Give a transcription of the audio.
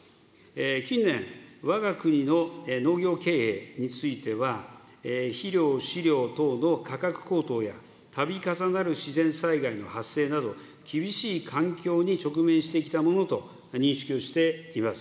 近年、わが国の農業経営については、肥料、飼料等の価格高騰や、たび重なる自然災害の発生など、厳しい環境に直面してきたものと認識をしています。